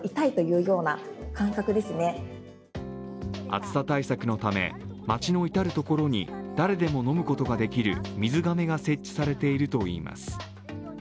暑さ対策のため、街の至る所に誰でも飲むことができる水がめが設置されているといいます。